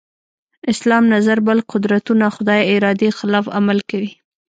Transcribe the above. اسلام نظر بل قدرتونه خدای ارادې خلاف عمل کوي.